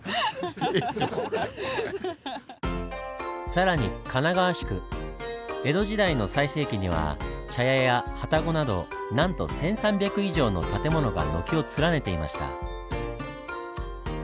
更に神奈川宿江戸時代の最盛期には茶屋や旅籠などなんと１３００以上の建物が軒を連ねていました。